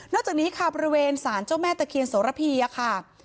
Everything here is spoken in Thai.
มีภูมิบริเวณสร้างเจ้าแม่ตะเคียงสวพิ้อะค่ะ